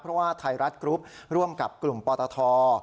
เพราะว่าไทยรัฐกรุ๊ปร่วมกับกลุ่มปตท